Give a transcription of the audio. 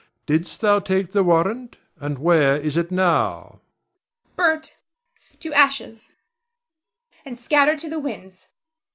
Didst thou take the warrant, and where is it now? Zara. Burnt to ashes, and scattered to the winds.